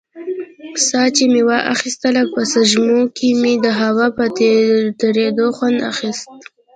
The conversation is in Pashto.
ساه چې مې اخيستله په سپږمو کښې مې د هوا په تېرېدو خوند اخيست.